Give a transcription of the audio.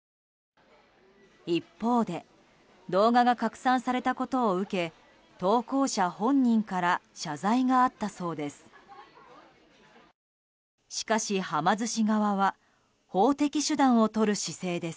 一方で、動画が拡散されたことを受け投稿者本人から謝罪があったそうです。